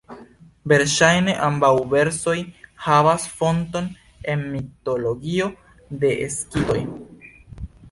Verŝajne ambaŭ versioj havas fonton en mitologio de Skitoj.